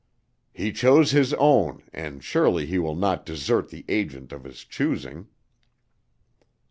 "He chose his own and surely he will not desert the agent of his choosing."